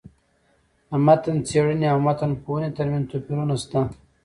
د متن څېړني او متن پوهني ترمنځ توپيرونه سته.